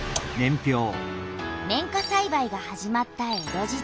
綿花さいばいが始まった江戸時代。